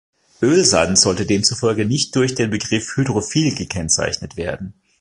Ölsand sollte demzufolge nicht durch den Begriff „hydrophil“ gekennzeichnet werden.